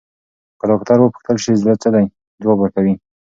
که ډاکټر وپوښتل شي، زړه څه دی، ځواب ورکوي.